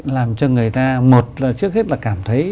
làm cho người ta một là trước hết là cảm thấy